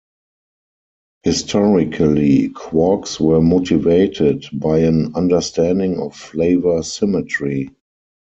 Historically, quarks were motivated by an understanding of flavour symmetry.